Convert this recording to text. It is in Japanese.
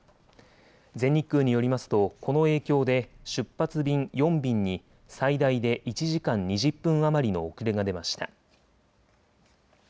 全日空によりますと、この影響で出発便４便に最大で１時間２０分余りの遅れが出ました。